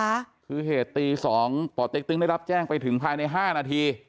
หรือเหตุตี๒ปเจ๊กตึงได้รับแจ้งไปถึงภายใน๕นาที